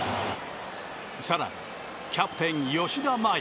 更にキャプテン、吉田麻也。